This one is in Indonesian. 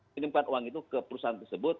menyimpan uang itu ke perusahaan tersebut